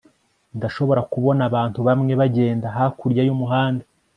ndashobora kubona abantu bamwe bagenda hakurya y'umuhanda